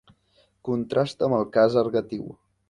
Contrasta amb el cas ergatiu.